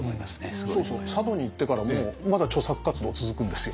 そうそう佐渡に行ってからもまだ著作活動続くんですよ。